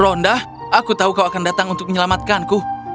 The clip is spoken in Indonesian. ronda aku tahu kau akan datang untuk menyelamatkanku